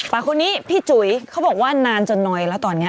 คนนี้พี่จุ๋ยเขาบอกว่านานจนน้อยแล้วตอนนี้